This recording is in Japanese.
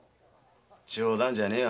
冗談じゃねえよ